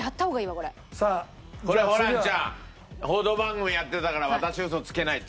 これホランちゃん「報道番組やってたから私嘘つけない」っつったでしょ？